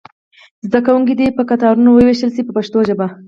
زده کوونکي دې په کتارونو وویشل شي په پښتو ژبه.